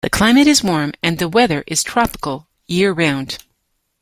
The climate is warm and the weather is tropical year round.